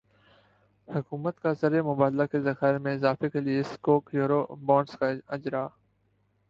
حکومت کازر مبادلہ کے ذخائر میں اضافے کےلیے سکوک یورو بانڈزکا اجراء